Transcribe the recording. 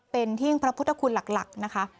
เป็นหิ้งพระพุทธคุณหลักนะคะ